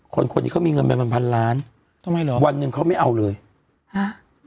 คนคนนี้เขามีเงินไปเป็นพันล้านทำไมเหรอวันหนึ่งเขาไม่เอาเลยฮะ